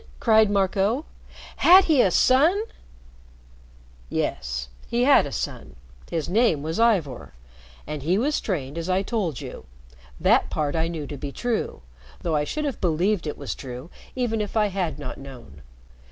cried Marco. "Had he a son?" "Yes. He had a son. His name was Ivor. And he was trained as I told you. That part I knew to be true, though I should have believed it was true even if I had not known.